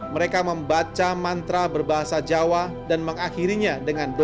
mereka membaca mantra berbahasa jawa dan mengakhirinya dengan doa